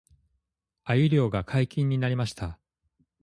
鮎漁が解禁になりました